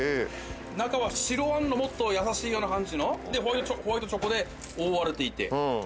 中は白あんのもっと優しいような感じのでホワイトチョコで覆われていて。